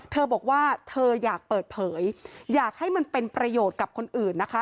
เธอบอกว่าเธออยากเปิดเผยอยากให้มันเป็นประโยชน์กับคนอื่นนะคะ